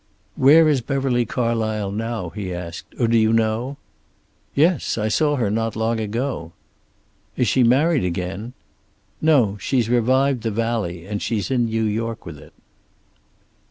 "Where is Beverly Carlysle now?" he asked. "Or do you know?" "Yes. I saw her not long ago." "Is she married again?" "No. She's revived 'The Valley,' and she's in New York with it."